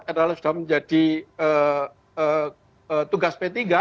adalah sudah menjadi tugas p tiga